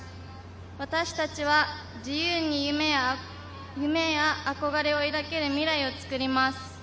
私たちは自由に夢や憧れを描ける未来を作ります。